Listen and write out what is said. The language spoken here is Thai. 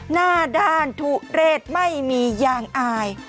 หน้าด้านถูกเร็ดไม่มีอย่างอาย